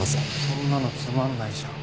そんなのつまんないじゃん。